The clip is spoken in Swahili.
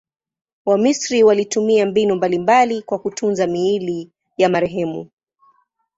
Wamisri walitumia mbinu mbalimbali kwa kutunza miili ya marehemu.